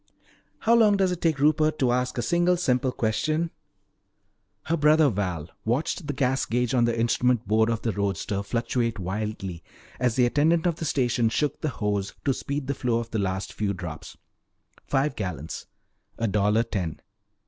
"How long does it take Rupert to ask a single simple question?" Her brother Val watched the gas gage on the instrument board of the roadster fluctuate wildly as the attendant of the station shook the hose to speed the flow of the last few drops. Five gallons a dollar ten.